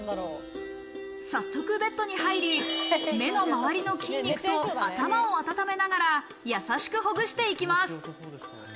早速ベッドに入り、目の周りの筋肉と頭を温めながら優しくほぐしていきます。